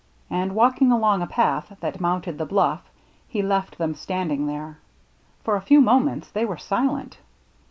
And walking along a path that mounted the bluflf, he left them standing there. For a few moments they were silent.